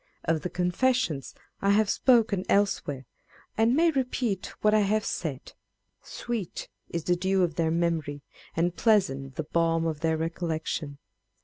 Of the Confessions I have spoken elsewhere, and may repeat what I have said â€" â€¢" Sweet is the dew of their memory, and pleasant the balm of their recollection!"